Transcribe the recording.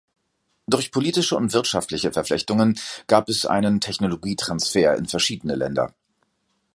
Durch politische und wirtschaftliche Verflechtungen gab es einen Technologietransfer in verschiedene Länder.